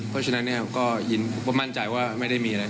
เพราะฉะนั้นก็มั่นใจว่าไม่ได้มีอะไร